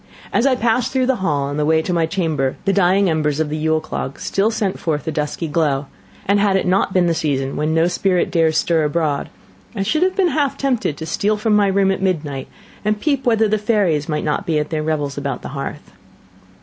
As I passed through the hall, on the way to my chamber, the dying embers of the Yule clog still sent forth a dusky glow; and had it not been the season when "no spirit dares stir abroad," I should have been half tempted to steal from my room at midnight, and peep whether the fairies might not be at their revels about the hearth.